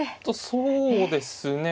そうですね。